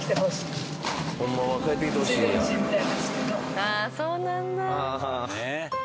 ああそうなんだ。